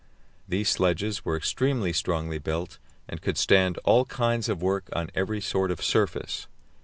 These sledges were extremely strongly built, and could stand all kinds of work on every sort of surface.